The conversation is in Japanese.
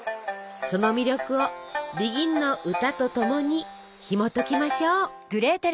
その魅力を「ＢＥＧＩＮ」の歌と共にひもときましょう。